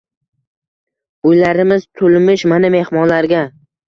Uylarimiz tulmish mana mexmonlarga